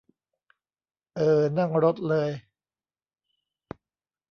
เอ่อ นั่งรถเลย